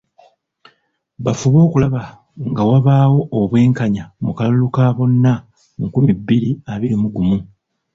Bafube okulaba nga wabaawo obwenkanya mu kalulu ka bonna nkumi bbiri abiri mu gumu.